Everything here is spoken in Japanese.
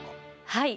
はい。